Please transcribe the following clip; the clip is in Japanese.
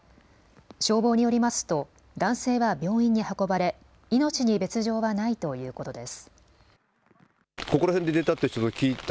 消防によりますと男性は病院に運ばれ命に別状はないということです。